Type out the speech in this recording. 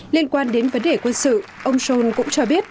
liên quan đến vấn đề quân sự ông john cũng cho biết